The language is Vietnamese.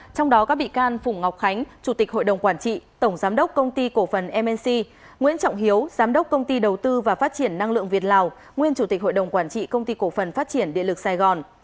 trong đó các bị can phùng ngọc khánh chủ tịch hội đồng quản trị tổng giám đốc công ty cổ phần mc nguyễn trọng hiếu giám đốc công ty đầu tư và phát triển năng lượng việt lào nguyên chủ tịch hội đồng quản trị công ty cổ phần phát triển địa lực sài gòn